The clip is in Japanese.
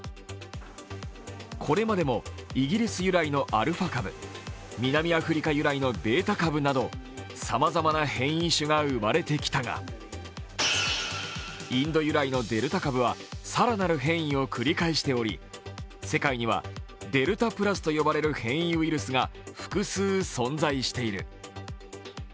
これまでもイギリス由来のアルファ株、南アフリカ由来のベータ株などさまざまな変異種が生まれたきたがインド由来のデルタ株は更なる変異を繰り返しており、世界にはデルタプラスと呼ばれる変異ウイルスが複数存在している。